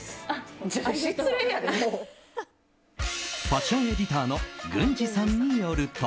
ファッションエディターの軍地さんによると。